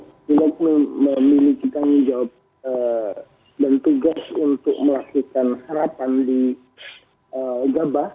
gulet memilih kita menjawab dan tugas untuk melakukan harapan di gabah